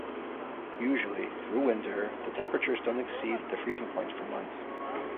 Usually, through winter, the temperatures don't exceed the freezing point for months.